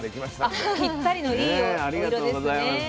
ありがとうございます。